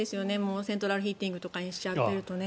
セントラルヒーティングとかにしちゃうと。